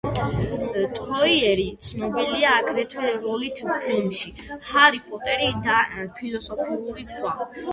ტროიერი ცნობილია აგრეთვე როლით ფილმში: „ჰარი პოტერი და ფილოსოფიური ქვა“.